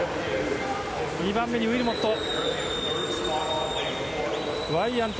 ２番目にウィルモット。